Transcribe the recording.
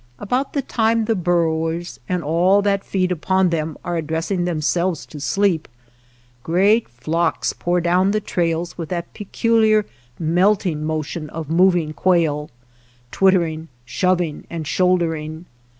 About the time the burrowers and all that feed upon them are addressing themselves to sleep, great flocks pour down the trails with that peculiar melting motion of moving quail, twitter ing, shoving, and shouldering.